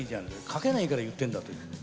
書けないから言ってんだというのに。